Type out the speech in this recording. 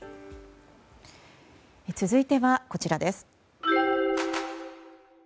続いてはこちらです。